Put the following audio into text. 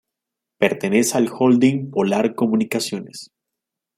Pertenece al holding Polar Comunicaciones.